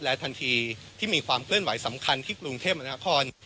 ทันทีที่มีความเคลื่อนไหวสำคัญที่กรุงเทพมนาคอน